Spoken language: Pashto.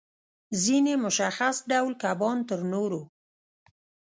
ځینې مشخص ډول کبان تر نورو